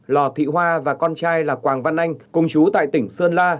lò thị hoa và con trai là quảng văn anh công chú tại tỉnh sơn la